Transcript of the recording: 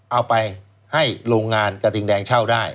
เอาไปให้โรงงานกระทิงแดงเช่าได้